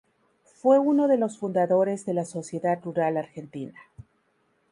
Fue uno de los fundadores de la Sociedad Rural Argentina.